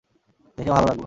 দেখে ভাল লাগল।